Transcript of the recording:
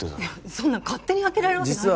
そんな勝手に開けられるわけないでしょ